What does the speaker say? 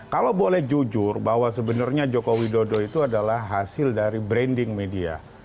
kalau boleh jujur bahwa sebenarnya joko widodo itu adalah hasil dari branding media